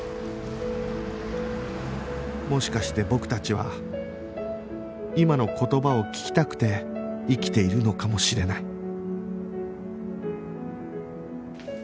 もしかして僕たちは今の言葉を聞きたくて生きているのかもしれない